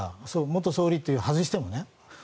元総理というのを外しても。